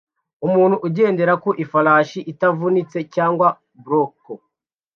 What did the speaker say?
Umuntu ugendera ku ifarashi itavunitse cyangwa bronco